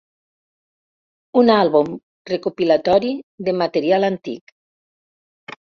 Un àlbum recopilatori de material antic.